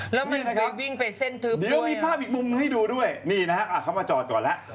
แล้วไม่มีใครวิ่งไปเส้นทึบแล้วมีภาพอีกมุมให้ดูด้วยนี่นะฮะเขามาจอดก่อนแล้ว